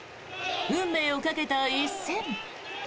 運命をかけた一戦。